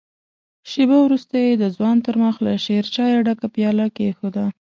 شېبه وروسته يې د ځوان تر مخ له شيرچايه ډکه پياله کېښوده.